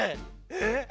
えっ？